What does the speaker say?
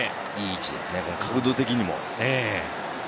いい位置ですね、角度的にも。